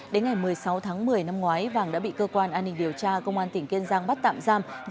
đến ngày một mươi sáu tháng một mươi năm ngoái vàng đã bị cơ quan an ninh điều tra công an tỉnh kiên giang